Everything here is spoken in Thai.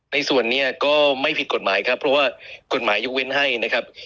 ในส่วนนี้ก็ไม่ผิดกฎหมายครับเพราะว่ากฎหมายยกเว้นให้นะครับ